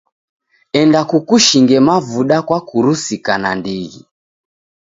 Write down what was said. Enda kukushinge mavuda kwakurusika nandighi.